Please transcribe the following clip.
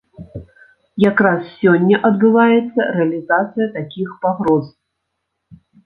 Якраз сёння адбываецца рэалізацыя такіх пагроз.